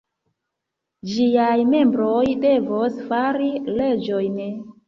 Ĝiaj membroj devos fari leĝojn.